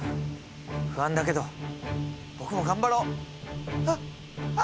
不安だけど僕も頑張ろあっあ！